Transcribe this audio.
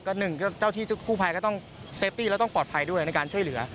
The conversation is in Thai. หนึ่งเจ้าที่กู้ภัยก็ต้องเซฟตี้แล้วต้องปลอดภัยด้วยในการช่วยเหลือ